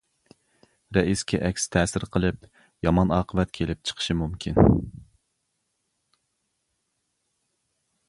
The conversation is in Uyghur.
رەئىسكە ئەكسى تەسىر قىلىپ، يامان ئاقىۋەت كېلىپ چىقىشى مۇمكىن.